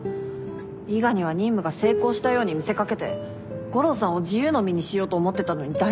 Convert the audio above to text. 伊賀には任務が成功したように見せ掛けて悟郎さんを自由の身にしようと思ってたのに台無し。